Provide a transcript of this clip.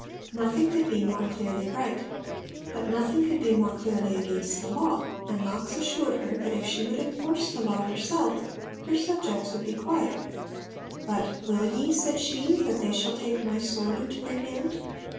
Nothing could be more clearly right. But nothing could be more clearly against the law; and Knox assured her that if she would enforce that law herself her subjects would be quiet. But 'Will ye,' said she, 'that they shall take my sword into their hand?'